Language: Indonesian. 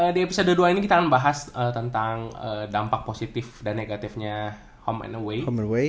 di episode dua ini kita akan bahas tentang dampak positif dan negatifnya home and away